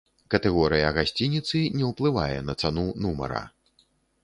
Катэгорыя гасцініцы не ўплывае на цану нумара.